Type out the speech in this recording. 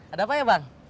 ada apa ya bang